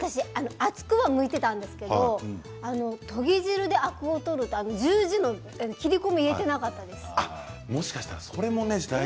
厚くはむいていたんですけどとぎ汁でアクを取る十字の切り込みを入れていなかったです。